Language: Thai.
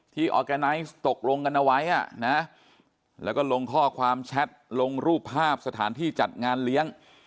ออร์แกไนท์ตกลงกันเอาไว้แล้วก็ลงข้อความแชทลงรูปภาพสถานที่จัดงานเลี้ยง